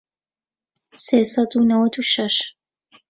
سێ سەد و نەوەت و شەش